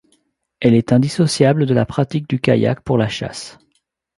Elle est indissociable de la pratique du kayak pour la chasse.